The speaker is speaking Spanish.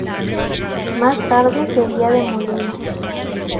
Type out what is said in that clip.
Más tarde sería demolido.